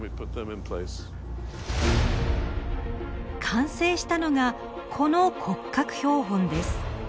完成したのがこの骨格標本です。